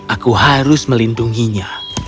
aku harus melindunginya